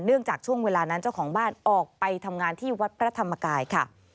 จากช่วงเวลานั้นเจ้าของบ้านออกไปทำงานที่วัดพระธรรมกายค่ะ